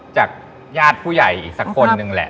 จากญาติผู้ใหญ่อีกสักคนหนึ่งแหละ